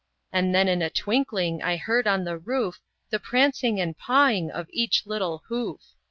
And then in a twinkling I heard on the roof, The prancing and pawing of each little hoof.